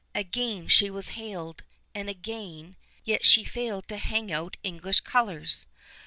Again she was hailed, and again; yet she failed to hang out English colors.